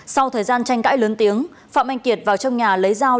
sau thời gian tranh cãi lớn tiếng phạm anh kiệt vào trong nhà lấy dao